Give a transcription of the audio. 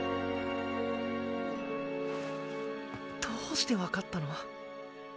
どうして分かったの？